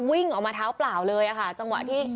วิ่งออกมาเท้าเปล่าเลยค่ะจังหวะที่